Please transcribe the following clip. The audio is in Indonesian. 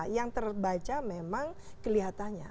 yang terbaca memang kelihatannya